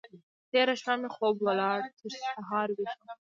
تېره شپه مې خوب ولاړ؛ تر سهار ويښ وم.